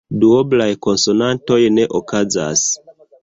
Duoblaj konsonantoj ne okazas.